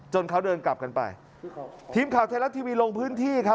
เขาเดินกลับกันไปทีมข่าวไทยรัฐทีวีลงพื้นที่ครับ